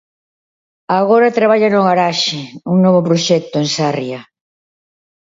Agora traballa no Garaxe, un novo proxecto en Sarria.